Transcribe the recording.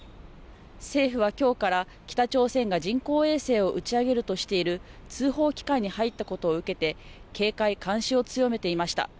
政府はきょうから北朝鮮が人工衛星を打ち上げるとしている通報期間に入ったことを受けて警戒監視を強めていました。